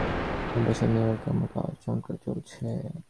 এ বৎসর নিউ ইয়র্কে আমার কাজ চমৎকার চলেছে।